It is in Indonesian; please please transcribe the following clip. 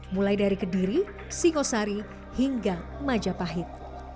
mulai dari kediri singosari hingga majapahit